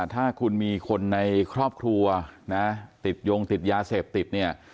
ถ้าคุณมีคนในครอบครัวนะติดโยงติดยาเสพติดเนี่ย